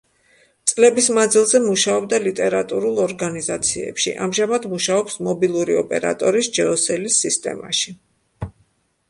წლების მანძილზე მუშაობდა ლიტერატურულ ორგანიზაციებში, ამჟამად მუშაობს მობილური ოპერატორის „ჯეოსელის“ სისტემაში.